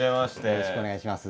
よろしくお願いします。